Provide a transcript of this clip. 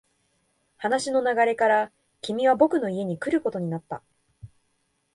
話の流れから、君は僕の家に来ることになった。